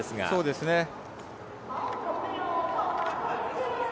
そうですね。